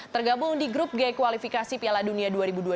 tergabung di grup g kualifikasi piala dunia dua ribu dua puluh